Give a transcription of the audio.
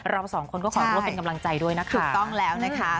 เรา๒คนก็ขอรวมเป็นกำลังใจด้วยนะคะ